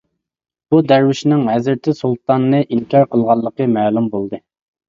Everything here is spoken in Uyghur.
بۇ دەرۋىشنىڭ ھەزرىتى سۇلتاننى ئىنكار قىلغانلىقى مەلۇم بولدى.